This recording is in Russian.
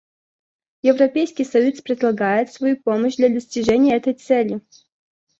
Европейский союз предлагает свою помощь для достижения этой цели.